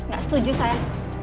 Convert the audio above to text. gak setuju saya